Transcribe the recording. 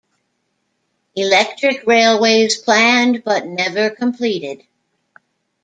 Electric railways planned but never completed.